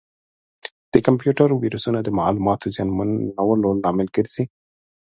د کمپیوټر ویروسونه د معلوماتو زیانمنولو لامل ګرځي.